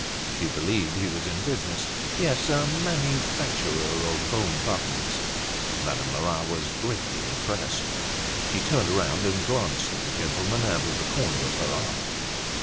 She believed he was in business; yes, a manufacturer of bone buttons. Madame Lerat was greatly impressed. She turned round and glanced at the gentleman out of the corner of her eye.